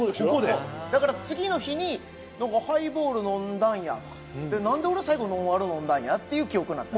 だから次の日に「ハイボール飲んだんや」とか「なんで俺最後ノンアル飲んだんや？」っていう記憶になった。